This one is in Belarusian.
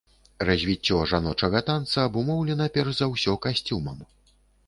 Развіццё жаночага танца абумоўлена перш за ўсё касцюмам.